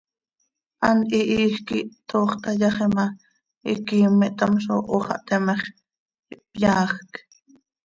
Hant hihiij quih toox tayaxi ma, iquiim ihtamzo, hoo xah teme x, ihpyaajc.